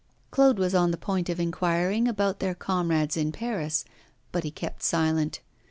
Claude was on the point of inquiring about their comrades in Paris, but he kept silent.